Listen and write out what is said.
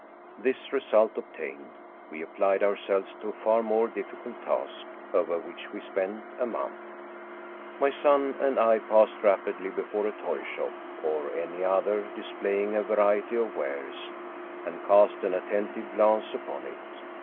This result obtained, we applied ourselves to a far more difficult task, over which we spent a month. My son and I passed rapidly before a toy shop, or any other displaying a variety of wares, and cast an attentive glance upon it.